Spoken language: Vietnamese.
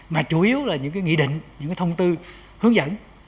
mà chủ yếu là những nghị định những thông tư hướng dẫn